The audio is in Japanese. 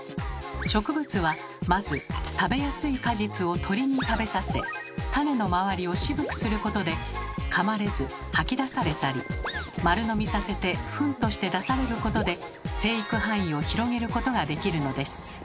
植物はまず食べやすい果実を鳥に食べさせ種の周りを渋くすることでかまれず吐き出されたり丸飲みさせてフンとして出されることで生育範囲を広げることができるのです。